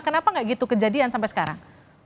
kenapa nggak gitu kejadian sampai sekarang